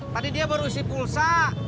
tadi dia baru isi pulsa